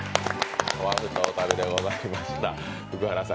オアフ島の旅でございました。